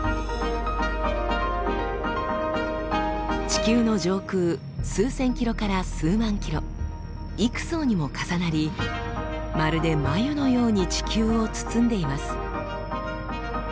地球の上空数千ｋｍから数万ｋｍ幾層にも重なりまるで繭のように地球を包んでいます。